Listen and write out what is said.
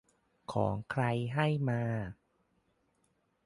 ของ ใคร ให้มา